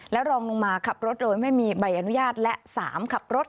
รองลงมาขับรถโดยไม่มีใบอนุญาตและ๓ขับรถ